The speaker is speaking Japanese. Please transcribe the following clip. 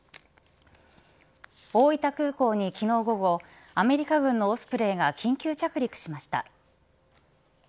大分空港に昨日午後アメリカ軍のオスプレイが緊急着陸しました。